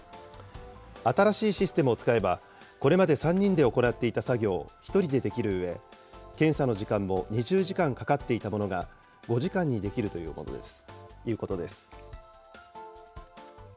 新しいシステムを使えば、これまで３人で行っていた作業を１人でできるうえ、検査の時間も２０時間かかっていたものが、５時間にできるということです。